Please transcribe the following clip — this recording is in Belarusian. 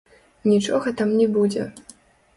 Нічога там не будзе.